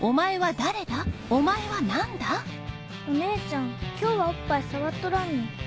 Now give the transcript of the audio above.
お姉ちゃん今日はおっぱい触っとらんにん。